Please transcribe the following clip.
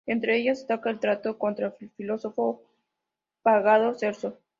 Entre ellas destaca el tratado contra el filósofo pagano Celso.